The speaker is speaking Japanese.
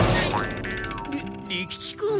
り利吉君？